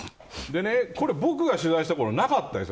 これ、僕が取材したころはなかったです。